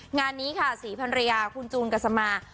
งานนี้ค่ะศรีพันรยาคุณจูนกัสมา